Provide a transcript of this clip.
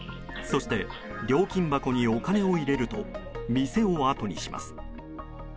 そして、料金箱にお金を入れると店をあとにします。